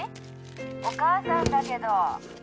お母さんだけど」